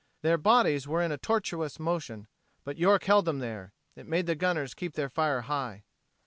Their bodies were in a tortuous motion. But York held them there; it made the gunners keep their fire high.